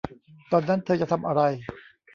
ตอนนั้นเธอจะทำอะไร